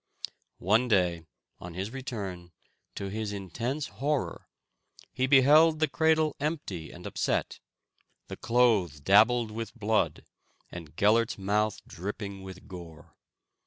One day, on his return, to his intense horror, he beheld the cradle empty and upset, the clothes dabbled with blood, and Gellert's mouth dripping with gore.